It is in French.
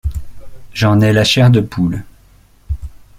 J’en ai la chair de poule.